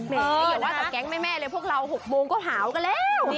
เดี๋ยวว่ากับแก๊งแม่เลยว่าพวกเรา๖โมงก็เหาะกันแล้ว